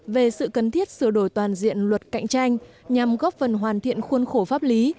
về sự cần thiết sửa đổi toàn diện luật cạnh tranh nhằm góp phần hoàn thiện khuôn khổ pháp lý